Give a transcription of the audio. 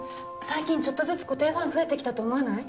最近ちょっとずつ固定ファン増えてきたと思わない？